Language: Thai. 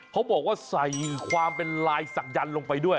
เขาบอกว่าใส่ความเป็นลายศักยันต์ลงไปด้วย